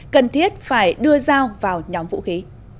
cần thiết phải đưa dao vào nhóm vũ khí